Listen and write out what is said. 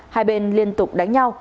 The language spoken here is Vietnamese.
hai bên liên tục đánh nhau